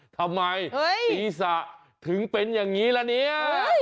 ทำไมศีรษะถึงเป็นอย่างนี้ละเนี่ย